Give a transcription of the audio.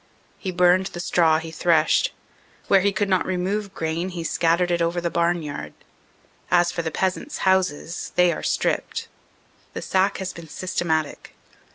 He burned the straw he threshed. Where he could not remove grain he scattered it over the barnyard. As for the peasants houses, they are stripped. The sack has been systematic.